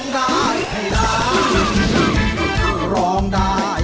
คือร้องได้ให้ร้อง